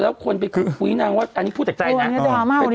แล้วคนไปขุดคุยนางว่าอันนี้พูดจากใจนะ